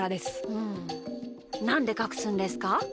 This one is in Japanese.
うんなんでかくすんですか？